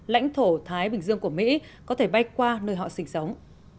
lãnh thổ thái bình dương của mỹ có thể bay qua nơi họ sinh sống